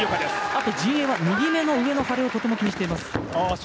あと陣営は右目の上の腫れを気にしています。